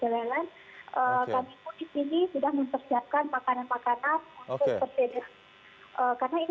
jadi biasanya kalau in lag itu atau pun persediaan itu makanan itu biasanya tidak berkencang